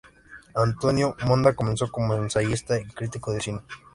Antonio Monda comenzó como ensayista y crítico de cine.